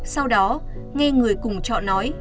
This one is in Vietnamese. sau đó nghe người cùng trọ nói